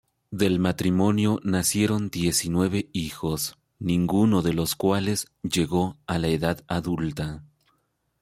Del matrimonio nacieron diecinueve hijos ninguno de los cuales llegó a la edad adulta.